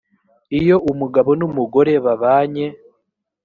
iyo umugabo n umugore babanye